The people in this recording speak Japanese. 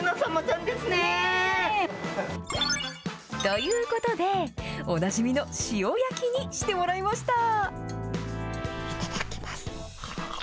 ということで、おなじみの塩焼きにしてもらいました。